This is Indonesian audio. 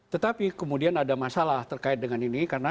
tetapi kemudian ada masalah terkait dengan ini karena